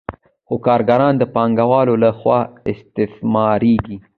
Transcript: خو کارګران د پانګوال له خوا استثمارېږي